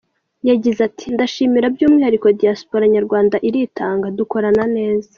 Yagize ati "Ndashimira by’umwihariko Diaspora nyarwanda iritanga, dukorana neza .